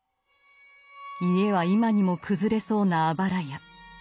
家は今にも崩れそうなあばら家。